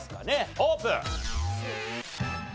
オープン！